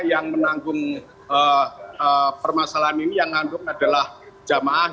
yang menanggung permasalahan ini yang mengandung adalah jamaah